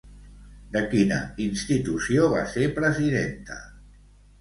De quina institució va ser presidenta?